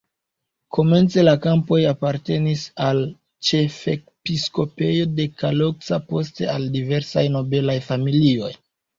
Komence la kampoj apartenis al ĉefepiskopejo de Kalocsa, poste al diversaj nobelaj familioj.